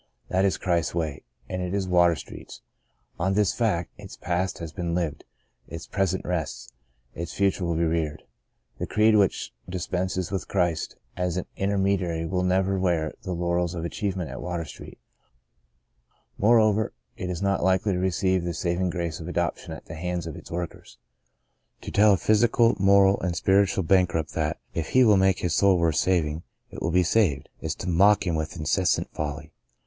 That is Christ's way, and it is Water Street's. On this fact, its past has been lived, its present rests, its future will be reared. The creed which dispenses with Christ as an intermedi ary will never wear the laurels of achieve ment at Water Street. Moreover, it is not likely to receive the saving grace of adoption at the hands of its workers. To tell a phys ical, moral and spiritual bankrupt that, if he will make his soul worth saving, it will be saved,'' is to mock him with insensate folly.